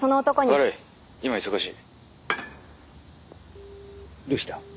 （打どうした？